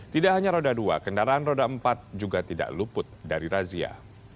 tidak hanya roda dua kendaraan roda empat juga tidak luput dari razia